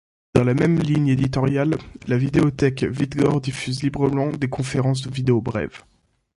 Dans la même ligne éditoriale, la Vidéothèque Vigdor diffuse librement des conférences vidéo brèves.